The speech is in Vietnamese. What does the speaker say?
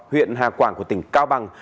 huyện hà quảng của tỉnh cao bằng